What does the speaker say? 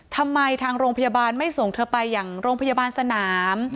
ทางโรงพยาบาลไม่ส่งเธอไปอย่างโรงพยาบาลสนาม